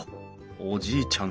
おじいちゃん